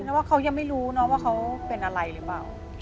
แล้วว่าเขายังไม่รู้นะว่าเขาเป็นอะไรหรือเปล่า